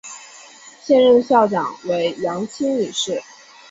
现任校长为杨清女士。